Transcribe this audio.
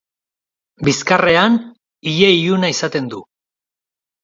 Bizkarrean ile iluna izaten du.